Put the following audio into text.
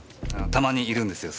たまにいるんですよ